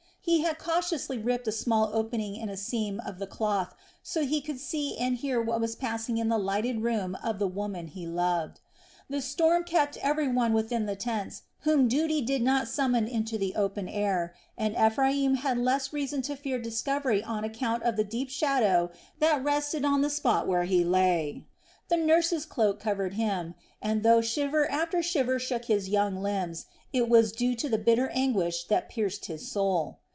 He had cautiously ripped a small opening in a seam of the cloth, so he could see and hear what was passing in the lighted room of the woman he loved. The storm kept every one within the tents whom duty did not summon into the open air, and Ephraim had less reason to fear discovery on account of the deep shadow that rested on the spot where he lay. The nurse's cloak covered him and, though shiver after shiver shook his young limbs, it was due to the bitter anguish that pierced his soul.